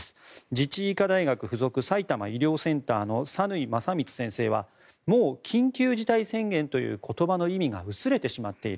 自治医科大学附属さいたま医療センターの讃井將満先生はもう緊急事態宣言という言葉の意味が薄れてしまっている。